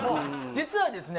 実はですね